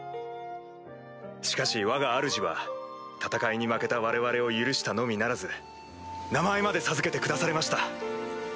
しかしわがあるじは戦いに負けた我々を許したのみならず名前まで授けてくだされました！